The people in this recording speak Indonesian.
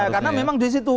karena memang di situ